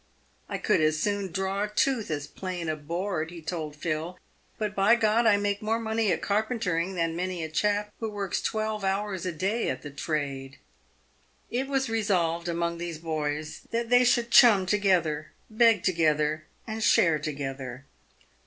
" I could as soon draw a tooth as plane a board," he told Phil, " but, by G — d, I make more money at carpentering than many a chap who works twelve hours a day at the trade." It was resolved among these boys that they should " chum*' to gether, beg together, and share together.